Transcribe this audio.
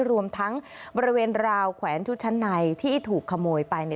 รวมทั้งบริเวณราวแขวนชุดชั้นในที่ถูกขโมยไปเนี่ย